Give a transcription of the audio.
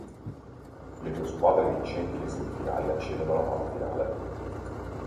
Le due squadre vincenti le semifinali accedono alla fase finale.